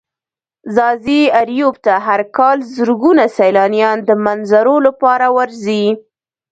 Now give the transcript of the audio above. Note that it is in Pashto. ځاځي اريوب ته هر کال زرگونه سيلانيان د منظرو لپاره ورځي.